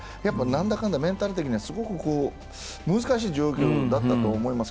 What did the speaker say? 何だかんだメンタル的にはすごく難しい状況だったと思います。